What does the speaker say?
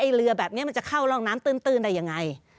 เรือแบบนี้มันจะเข้าร่องน้ำตื้นได้ยังไง